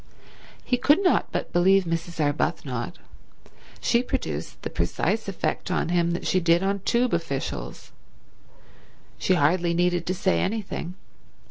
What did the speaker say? He could not but believe Mrs. Arbuthnot. She produced the precise effect on him that she did on Tube officials. She hardly needed to say anything.